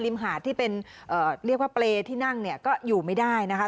มหาดที่เป็นเรียกว่าเปรย์ที่นั่งเนี่ยก็อยู่ไม่ได้นะคะ